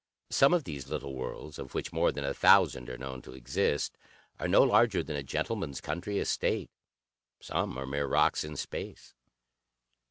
Some of these little worlds, of which more than a thousand are known to exist, are no larger than a gentleman's country estate; some are mere rocks in space.